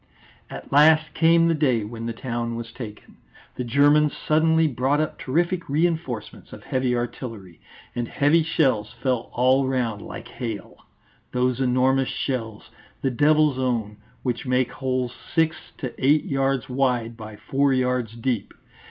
At last came the day when the town was taken. The Germans suddenly brought up terrific reinforcements of heavy artillery, and heavy shells fell all round like hail those enormous shells, the devil's own, which make holes six to eight yards wide by four yards deep.